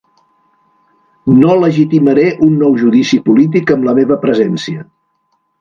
No legitimaré un nou judici polític amb la meva presència.